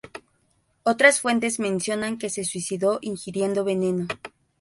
Otras fuentes mencionan que se suicidó ingiriendo veneno.